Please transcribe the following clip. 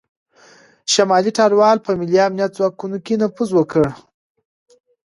شمالي ټلوالې په ملي امنیتي ځواکونو کې نفوذ وکړ